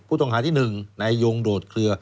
ผู้ต้องหาที่๑นายยงโดดเคลือ